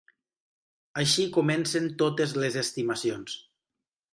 Així comencen totes les estimacions.